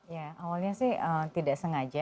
ya awalnya sih tidak sengaja